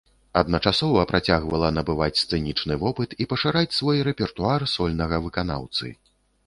Адначасова працягвала набываць сцэнічны вопыт і пашыраць свой рэпертуар сольнага выканаўцы.